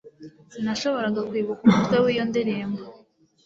sinashoboraga kwibuka umutwe w'iyo ndirimbo